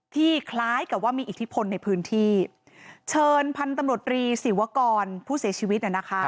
คล้ายกับว่ามีอิทธิพลในพื้นที่เชิญพันธุ์ตำรวจรีศิวกรผู้เสียชีวิตน่ะนะคะ